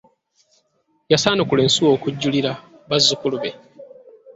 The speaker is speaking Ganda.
Yasaanukula ensuwa okujulira bazukulu be.